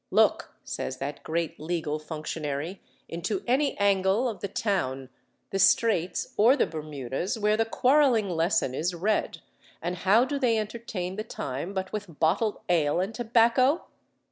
"Look," says that great legal functionary, "into any angle of the town, the Streights or the Bermudas, where the quarrelling lesson is read, and how do they entertain the time but with bottled ale and tobacco?"